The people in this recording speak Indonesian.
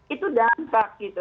itu dampak gitu